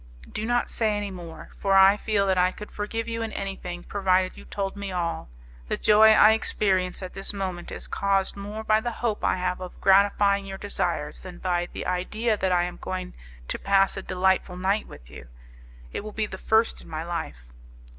"Do not say any more; for I feel that I could forgive you in anything, provided you told me all. The joy I experience at this moment is caused more by the hope I have of gratifying your desires than by the idea that I am going to pass a delightful night with you. It will be the first in my life."